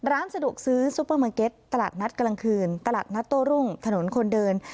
ร้านสะดวกซื้อซุปเปอร์มาร์เก็ตตลาดนัดกลางคืนตลาดนัดโต้รุ่งถนนคนเดิน